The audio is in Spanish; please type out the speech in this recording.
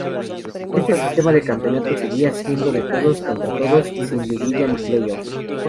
El sistema de campeonato seguía siendo de todos contra todos, sin liguilla ni Playoff.